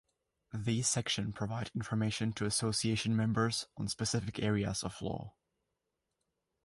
These sections provide information to Association members on specific areas of law.